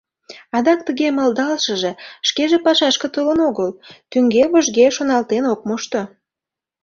Адак тыге малдалшыже шкеже пашашке толын огыл, тӱҥге-вожге шоналтен ок мошто.